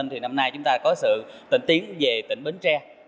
thì năm nay chúng ta có sự tỉnh tiến về tỉnh bến tre